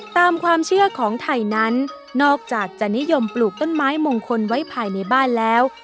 ตามความเชื่อของไทยนั้นนอกจากจะนิยมปลูกต้นไม้มงคลไว้ภายในบ้านแล้ว